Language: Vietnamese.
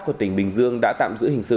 của tỉnh bình dương đã tạm giữ hình sự